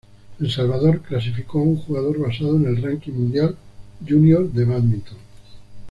El Salvador clasificó a un jugador basado en el ranking mundial junior de bádminton.